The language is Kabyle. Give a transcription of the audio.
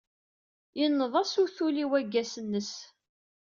Yenneḍ-as utul i waggas-nnes.